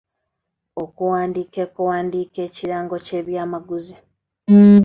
okuwandiika ekuwandiika ekirango ky’ebyamaguzi